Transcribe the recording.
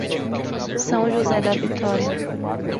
São José da Vitória